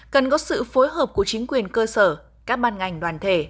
cần có sự phối hợp của chính quyền cơ sở các ban ngành đoàn thể